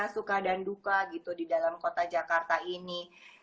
suka dan duka gitu di dalam kota jakarta ini